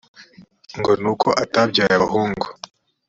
ngo ni uko atabyaye abahungu?